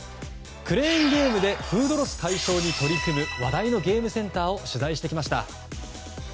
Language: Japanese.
クレーンゲームでフードロス解消に取り組む話題のゲームセンターを取材してきました。